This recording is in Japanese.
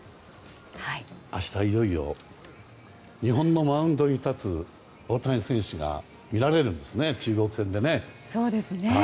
明日、いよいよ日本のマウンドに立つ大谷選手が見られるんですね、中国戦でね。